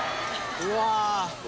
うわ！